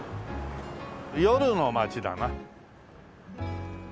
夜の街だな。